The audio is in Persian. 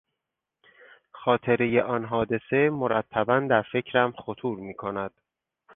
خاطرهی آن حادثه مرتبا در فکرم خطور میکند.